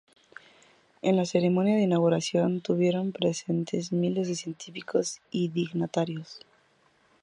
En la ceremonia de inauguración estuvieron presentes miles de científicos y dignatarios.